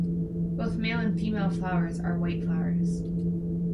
Both male and female flowers are white flowers.